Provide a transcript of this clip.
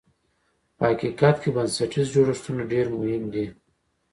په حقیقت کې بنسټیز جوړښتونه ډېر مهم دي.